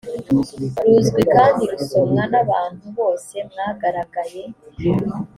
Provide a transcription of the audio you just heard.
ruzwi kandi rusomwa n abantu bose mwagaragaye